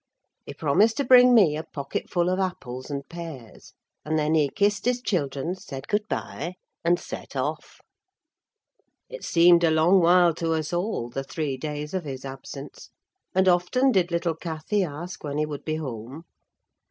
He promised to bring me a pocketful of apples and pears, and then he kissed his children, said good bye, and set off. It seemed a long while to us all—the three days of his absence—and often did little Cathy ask when he would be home.